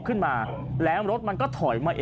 สวัสดีครับ